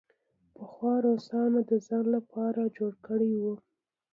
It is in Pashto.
پخوا روسانو د ځان لپاره جوړ کړی وو.